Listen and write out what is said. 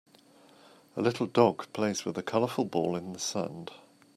A little dog plays with a colorful ball in the sand.